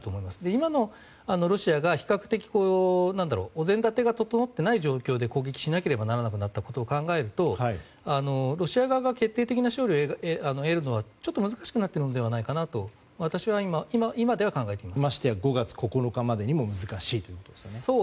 今、ロシアが比較的お膳立てが整っていない状況で攻撃しなければならなくなったことを考えるとロシア側が決定的な勝利を得るのはちょっと難しくなっているのではないかなと、私は今ではましてや５月９日までには難しいということで。